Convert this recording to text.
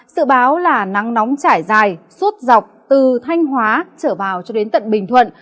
sự báo là nắng nóng trải dài suốt dọc từ thanh hóa trở vào cho đến tận bình thuận